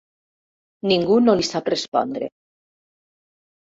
Ningú no li sap respondre.